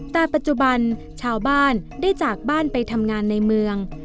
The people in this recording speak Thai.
แต่ปัจจุบันชาวบ้านได้จากบ้านไปทำงานในเมือง